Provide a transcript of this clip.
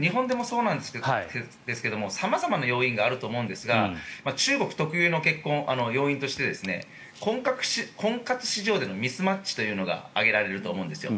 日本でもそうなんですが様々な要因があると思うんですが中国特有の要因として婚活市場でのミスマッチというのが挙げられると思うんです。